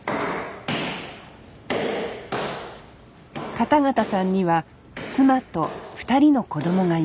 片方さんには妻と２人の子供がいます。